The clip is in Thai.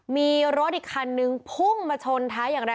มีรถอีกคันนึงพุ่งมาชนท้ายอย่างไร